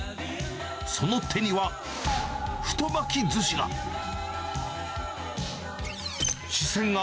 その手には太巻きずしが。